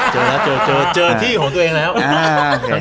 เจอแล้วเจอเจอที่ของตัวเองแล้ว